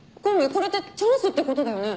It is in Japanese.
これってチャンスってことだよね？